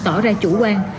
tỏ ra chủ quan